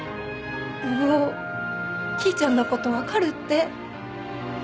信男きいちゃんのこと分かるって。